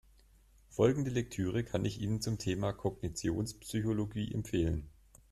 Folgende Lektüre kann ich Ihnen zum Thema Kognitionspsychologie empfehlen.